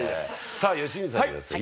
さあ良純さんがですね